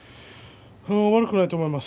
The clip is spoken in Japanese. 悪くないと思います。